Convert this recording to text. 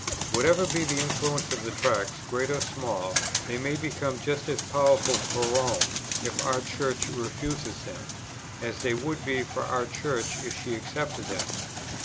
Whatever be the influence of the Tracts, great or small, they may become just as powerful for Rome, if our Church refuses them, as they would be for our Church if she accepted them.